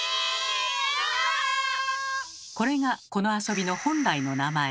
これがこの遊びの本来の名前。